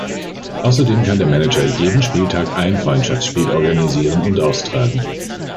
Außerdem kann der Manager jeden Spieltag ein Freundschaftsspiel organisieren und austragen.